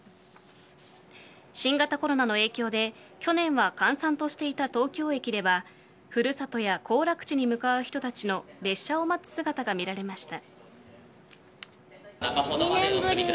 新型コロナの影響で去年は閑散としていた東京駅では古里や行楽地に向かう人たちの列車を待つ姿が見られました。